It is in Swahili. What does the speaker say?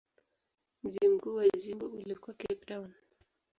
Mji mkuu wa jimbo ulikuwa Cape Town.